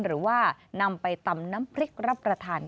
หรือว่านำไปตำน้ำพริกรับประทาน